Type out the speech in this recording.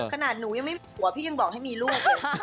ขนาดหนูยังไม่ผัวพี่ยังบอกให้มีลูก